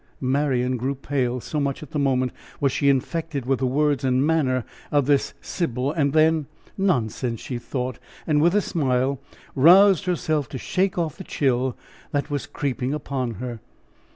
Marian grew pale, so much, at the moment, was she infected with the words and manner of this sybil; but then, "Nonsense!" she thought, and, with a smile, roused herself to shake off the chill that was creeping upon her.